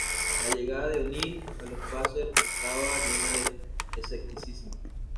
La llegada de O'Neal a los Pacers estaba llena de escepticismo.